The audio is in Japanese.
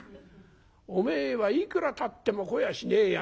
おめえはいくらたっても来やしねえや。